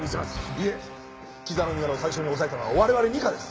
いえ木沢の身柄を最初に押さえたのは我々二課です！